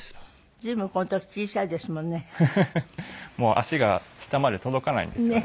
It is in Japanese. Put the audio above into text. もう足が下まで届かないんですよね。